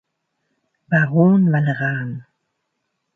Baron Waleran.